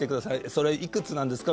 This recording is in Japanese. それ、いくつなんですか？